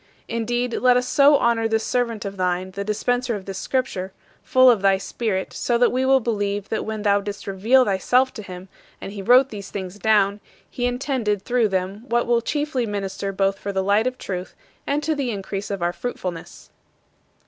Indeed, let us so honor this servant of thine, the dispenser of this Scripture, full of thy Spirit, so that we will believe that when thou didst reveal thyself to him, and he wrote these things down, he intended through them what will chiefly minister both for the light of truth and to the increase of our fruitfulness.